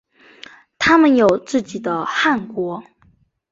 他们有自己的汗国。